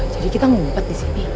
jadi kita ngumpet disini